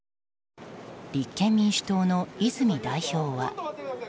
立憲民主党の泉代表は。